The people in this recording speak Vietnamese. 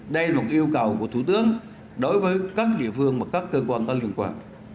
đây là một yêu cầu của thủ tướng đối với các địa phương và các cơ quan có liên quan